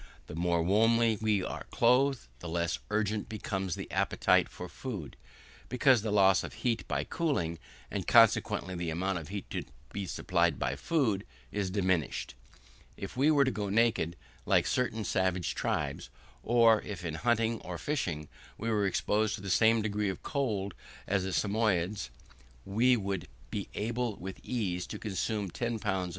The more warmly we are clothed the less urgent becomes the appetite for food, because the loss of heat by cooling, and consequently the amount of heat to be supplied by the food, is diminished. If we were to go naked, like certain savage tribes, or if in hunting or fishing we were exposed to the same degree of cold as the Samoyedes, we should be able with ease to consume 10 lbs.